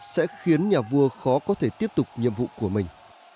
sẽ khiến nhà vua khó có thể tiếp tục nhiệm vụ của mình